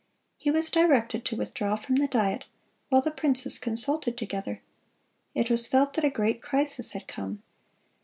(222) He was directed to withdraw from the Diet, while the princes consulted together. It was felt that a great crisis had come.